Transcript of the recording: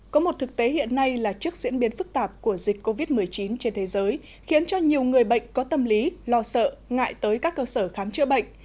có một thực tế hiện nay là trước diễn biến phức tạp của dịch covid một mươi chín trên thế giới khiến cho nhiều người bệnh có tâm lý lo sợ ngại tới các cơ sở khám chữa bệnh